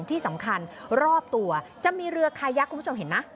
ที่สำคัญรอบตัวจะมีเรือคายักษ์คุณผู้ชมเห็นไหม